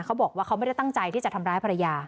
เขาบอกว่าเขาไม่ได้ตั้งใจที่จะทำร้ายภรรยา